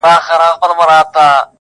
هم یې وروڼه هم ورېرونه وه وژلي!!